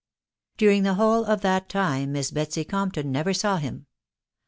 During the whole of that time Miss Betsy Compton never saw him.